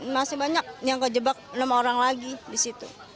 masih banyak yang kejebak enam orang lagi di situ